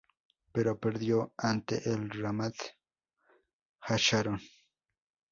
Pero perdió ante el Ramat-Hasharon.